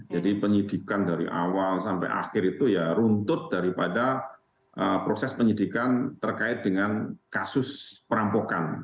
jadi penyidikan dari awal sampai akhir itu ya runtut daripada proses penyidikan terkait dengan kasus perampokan